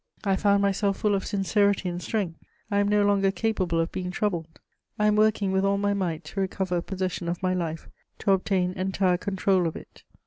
I found myself full of sincerity and strength; I am no longer capable of being troubled. I am working with all my might to recover possession of my life, to obtain entire control of it.